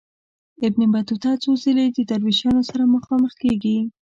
ابن بطوطه څو ځله د دروېشانو سره مخامخ کیږي.